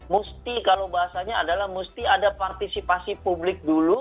mesti kalau bahasanya adalah mesti ada partisipasi publik dulu